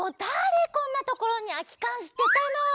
こんなところにあきかんすてたの！